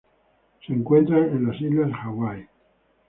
Se encuentran en las Islas Hawaii.